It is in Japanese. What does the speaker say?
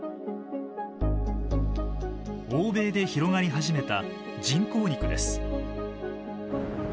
欧米で広がり始めた「人工肉」です。